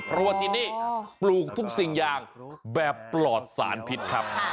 เพราะว่าที่นี่ปลูกทุกสิ่งอย่างแบบปลอดสารพิษครับ